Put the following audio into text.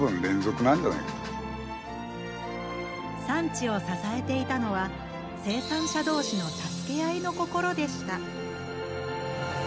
産地を支えていたのは生産者同士の助け合いの心でした。